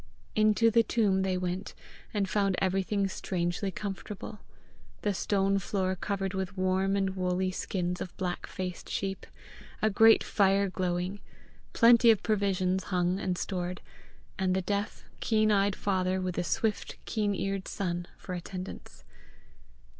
Into the tomb they went, and found everything strangely comfortable the stone floor covered with warm and woolly skins of black faced sheep, a great fire glowing, plenty of provisions hung and stored, and the deaf, keen eyed father with the swift keen eared son for attendants.